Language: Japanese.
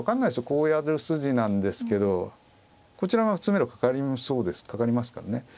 こうやる筋なんですけどこちらが詰めろかかりそうですかかりますからね。